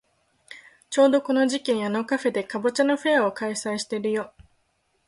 ちょうどこの時期にあのカフェでかぼちゃのフェアを開催してるよ。